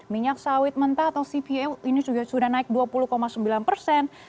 minyak sawit mentah atau cpo ini sudah naik dua puluh sembilan persen